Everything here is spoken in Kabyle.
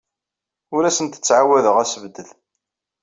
Ur asent-ttɛawadeɣ assebded.